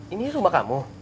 ini rumah kamu